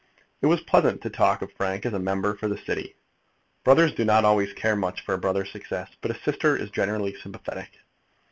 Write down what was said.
It was pleasant to talk of Frank as member for the city. Brothers do not always care much for a brother's success, but a sister is generally sympathetic.